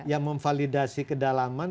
yang memvalidasi kedalaman